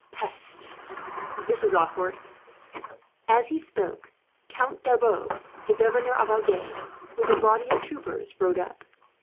Peste! This is awkward." As he spoke, Count Darbois, the governor of Agen, with a body of troopers, rode up.